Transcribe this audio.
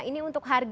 ini untuk hal yang